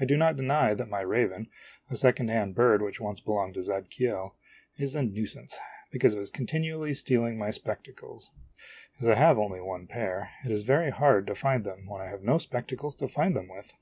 I do not deny that my raven, a second hand bird which once belonged to Zadkiel, is a nuisance, because of his continually stealing my spectacles. As I have only one pair, it is very hard to find them when I have no spectacles to find them with.